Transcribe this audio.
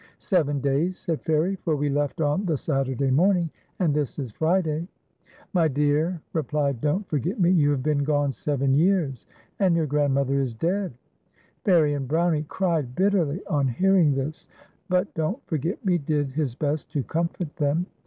" Seven da\ s," said Fairic, " for we left on the Satur day morning, and this is Friday." "My dear," replied Don't Forget Me, "you have been gone seven years, and your grandmother is dead." Fairie and Jkownie cried bitterly on hearing this, but Don't Forget Me did his best to comfort them.